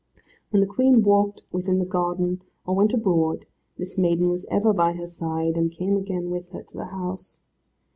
When the Queen walked within the garden, or went abroad, this maiden was ever by her side, and came again with her to the house.